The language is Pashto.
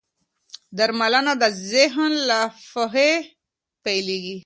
درملنه د ذهن له پوهې پيلېږي.